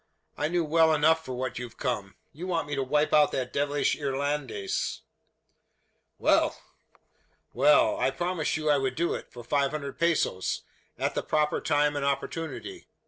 I know well enough for what you've come. You want me to wipe out that devilish Irlandes!" "Well!" "Well; I promised you I would do it, for five hundred pesos at the proper time and opportunity.